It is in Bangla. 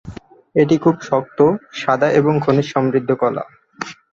এটি খুব শক্ত, সাদা, এবং খনিজ সমৃদ্ধ কলা।